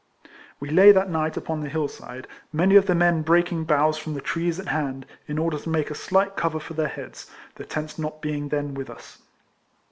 We lay that night upon the hill side, many of the men breaking boughs from the trees at hand, in order to make a slight cover for their heads ; the tents not being then with us.